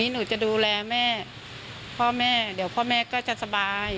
หนูจะดูแลแม่พ่อแม่เดี๋ยวพ่อแม่ก็จะสบาย